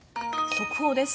速報です。